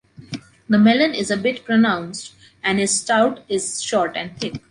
The melon is a bit pronounced, and his snout is short and thick.